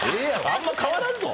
あんま変わらんぞ。